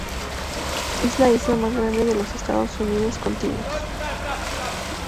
Es la isla más grande de los Estados Unidos contiguos.